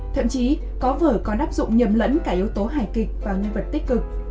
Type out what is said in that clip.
thậm chí có vỡ có đáp dụng nhầm lẫn cả yếu tố hài kịch và nguyên vật tích cực